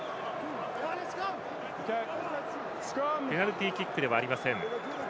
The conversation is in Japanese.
ペナルティーキックではありません。